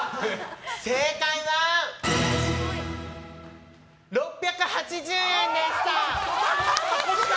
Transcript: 正解は、６８０円でした！